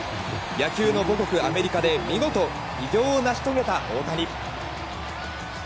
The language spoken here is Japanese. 野球の母国アメリカで見事、偉業を成し遂げた大谷。